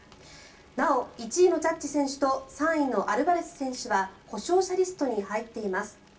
なお、１位のジャッジ選手と３位のアルバレス選手は故障者リストに入っています。